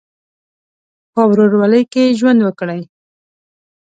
په ورورولۍ کې ژوند وکړئ.